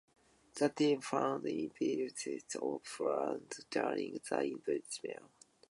The team found evidence of fraud during the investigation.